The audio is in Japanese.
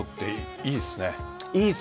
いいですね。